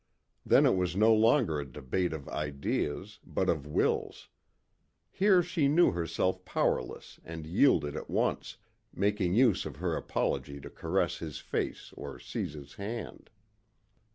Then it was no longer a debate of ideas but of wills. Here she knew herself powerless and yielded at once, making use of her apology to caress his face or seize his hand.